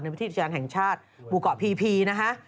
ในวิทยาลัยแห่งชาติบูเกาะพีนะฮะ